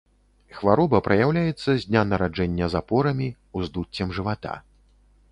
Хвароба праяўляецца з дня нараджэння запорамі, уздуццем жывата.